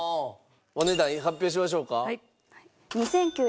お値段発表しましょうか？